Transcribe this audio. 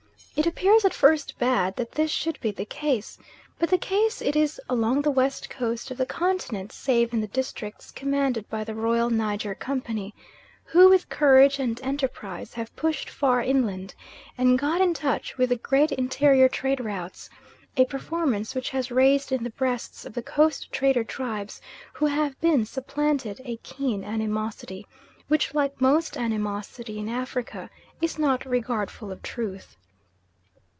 It appears at first bad that this should be the case, but the case it is along the west coast of the continent save in the districts commanded by the Royal Niger company, who, with courage and enterprise, have pushed far inland, and got in touch with the great interior trade routes a performance which has raised in the breasts of the Coast trader tribes who have been supplanted, a keen animosity, which like most animosity in Africa, is not regardful of truth.